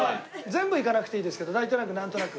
全部いかなくていいですけどなんとなくなんとなく。